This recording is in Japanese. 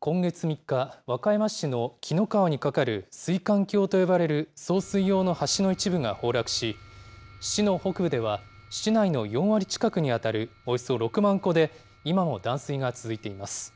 今月３日、和歌山市の紀の川に架かる水管橋と呼ばれる送水用の橋の一部が崩落し、市の北部では、市内の４割近くに当たるおよそ６万戸で、今も断水が続いています。